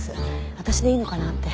私でいいのかな？って。